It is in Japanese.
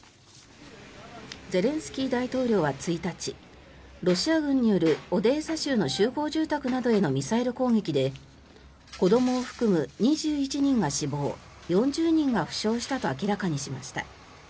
ゼレンスキー大統領は１日ロシア軍によるオデーサ州の集合住宅などへのミサイル攻撃で子どもを含む２１人が死亡４０人が負傷したと明らかにしました。